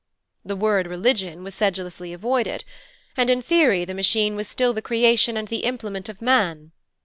The word 'religion' was sedulously avoided, and in theory the Machine was still the creation and the implement of man.